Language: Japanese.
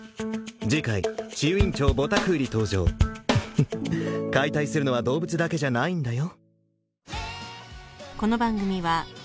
次回治癒院長ボタクーリ登場フフッ解体するのは動物だけじゃないんだよ